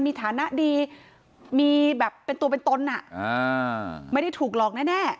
มีฐานะดีมีแบบเป็นตัวเป็นตนไม่ได้ถูกหลอกแน่